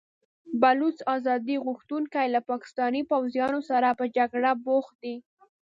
بلوڅ ازادي غوښتونکي له پاکستاني پوځیانو سره په جګړه بوخت دي.